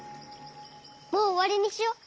もうおわりにしよう。